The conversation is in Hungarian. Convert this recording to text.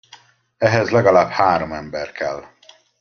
Ehhez legalább három ember kell.